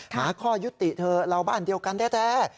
หาข้อยุติเถอะเราบ้านเดียวกันแท้